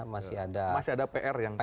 masih ada pr yang perlu ditentaskan